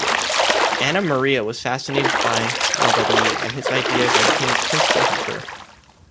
Anna Maria was fascinated by Labadie and his ideas and became his principal helper.